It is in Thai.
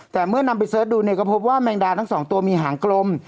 แต่เมื่อนำไปเสิร์ชดูเนี่ยก็พบว่าแมงดาทั้งสองตัวมีหางกลม